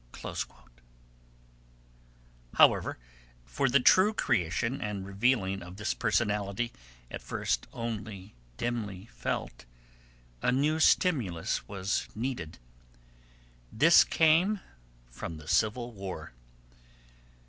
However, for the true creation and revealing of this personality, at first only dimly felt, a new stimulus was needed. This came from the Civil War.